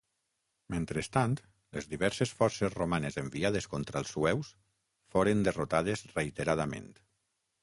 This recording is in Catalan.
Mentrestant, les diverses forces romanes enviades contra els sueus foren derrotades reiteradament.